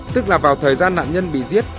tức là vào thời gian nạn nhân bị giết